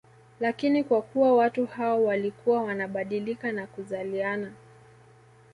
Lakini kwa kuwa watu hao walikuwa wanabadilika na kuzaliana